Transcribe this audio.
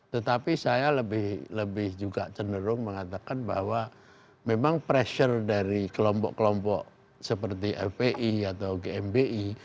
tetapi saya lebih juga cenderung mengatakan bahwa memang pressure dari kelompok kelompok seperti fpi atau gmi